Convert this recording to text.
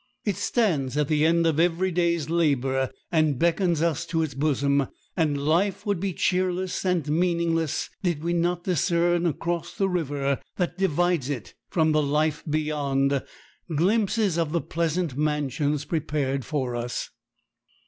It stands at the end of every day's labor, and beckons us to its bosom; and life would be cheerless and meaningless did we not discern across the river that divides it from the life beyond glimpses of the pleasant mansions prepared for us.